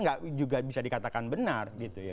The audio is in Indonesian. nggak juga bisa dikatakan benar gitu ya